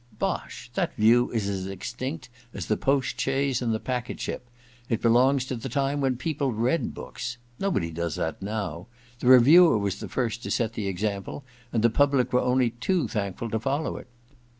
* Bosh ! That view is as extinct as the post chaise and the packet ship— it belongs to the time when people read books. Nobody does that now ; the reviewer was the first to set the example, and the public were only too thankful to follow it.